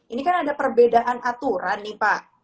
ini kan ada perbedaan aturan nih pak